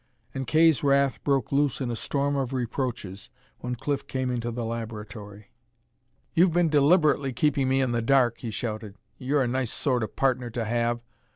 And Kay's wrath broke loose in a storm of reproaches when Cliff came into the laboratory. "You've been deliberately keeping me in the dark!" he shouted. "You're a nice sort of partner to have!